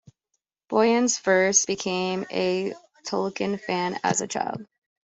Boyens first became a Tolkien fan as a child.